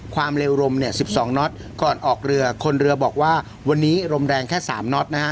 ความเร็วลมเนี่ย๑๒น็อตก่อนออกเรือคนเรือบอกว่าวันนี้ลมแรงแค่๓น็อตนะฮะ